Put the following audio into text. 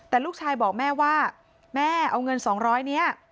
แต่ลูกชายบอกแม่ว่าแม่เอาเงิน๒๐๐นี้